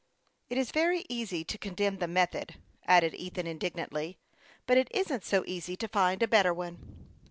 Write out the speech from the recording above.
" It is very easy to condemn the method," added Ethan, indignantly ;" but it isn't so easy to find a better one."